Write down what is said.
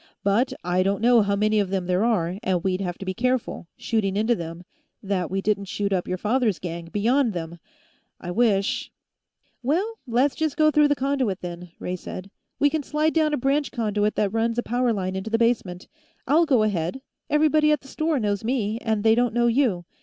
"But I don't know how many of them there are, and we'd have to be careful, shooting into them, that we didn't shoot up your father's gang, beyond them. I wish " "Well, let's go through the conduit, then," Ray said. "We can slide down a branch conduit that runs a power line into the basement. I'll go ahead; everybody at the store knows me, and they don't know you.